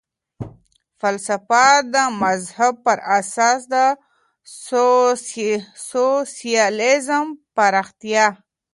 فلسفه د مذهب پر اساس د سوسیالیزم پراختیا.